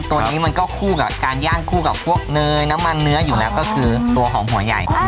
ตัวนี้มันก็คู่กับการย่างคู่กับพวกเนยน้ำมันเนื้ออยู่แล้วก็คือตัวของหัวใหญ่